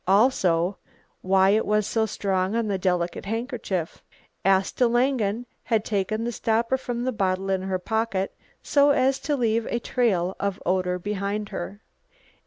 Also why it was so strong on the delicate handkerchief. Asta Langen had taken the stopper from the bottle in her pocket, so as to leave a trail of odour behind her.